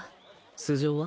素性は？